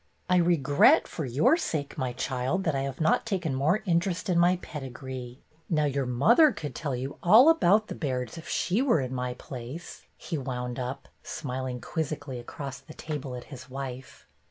"I regret, for your sake, my child, that I have not taken more interest in my pedigree. Now your mother could tell you all about the Bairds if she were in my place," he wound up, smiling quizzically across the table at his wife.